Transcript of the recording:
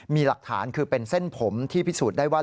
มีหลักฐานคือเป็นเส้นผมที่พิสูจน์ได้ว่า